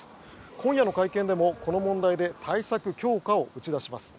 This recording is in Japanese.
今夜の会見でもこの問題で対策強化を打ち出します。